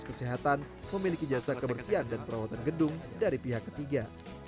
mengenai pentingnya fasilitas kesehatan memiliki jasa kebersihan dan perawatan gedung dari pihak ketiga